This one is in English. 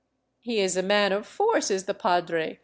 He is a man of force, is the padre.